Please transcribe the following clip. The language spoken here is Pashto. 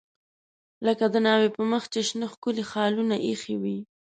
لکه د ناوې په مخ چې شنه ښکلي خالونه ایښي وي.